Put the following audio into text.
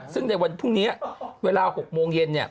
ซึ่งในวันพรุ่งนี้เวลา๖โมงเย็น